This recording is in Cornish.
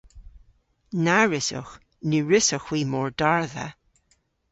Na wrussowgh. Ny wrussowgh hwi mordardha.